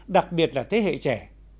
đặc biệt là thế hệ trẻ